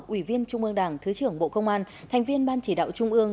ủy viên trung ương đảng thứ trưởng bộ công an thành viên ban chỉ đạo trung ương